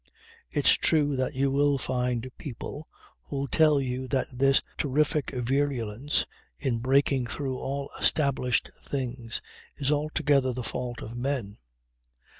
It's true that you will find people who'll tell you that this terrific virulence in breaking through all established things, is altogether the fault of men.